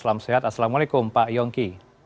assalamualaikum pak yongki